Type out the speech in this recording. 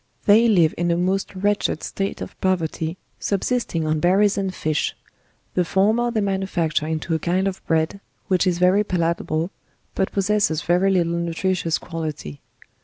They live in a most wretched state of poverty, subsisting on berries and fish; the former they manufacture into a kind of bread, which is very palatable, but posssses very little nutricious quality.